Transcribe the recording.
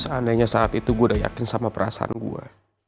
seandainya saat itu gue udah yakin sama perasaan gue